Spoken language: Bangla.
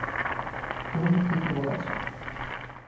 তুমি ঠিকই বলেছ।